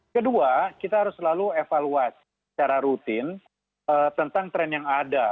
kedua kita harus selalu evaluasi secara rutin tentang tren yang ada